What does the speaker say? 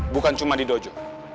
bukan cuma di dojo